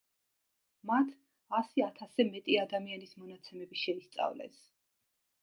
მათ ასი ათასზე მეტი ადამიანის მონაცემები შეისწავლეს.